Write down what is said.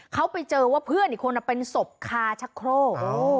เขาไปเจอว่าเพื่อนอีกคนเป็นศพคาชักโครก